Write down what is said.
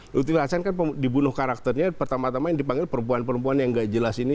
luthi hasan kan dibunuh karakternya pertama tama dipanggil perempuan perempuan yang enggak jelas ini